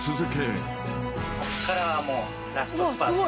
こっからはラストスパート。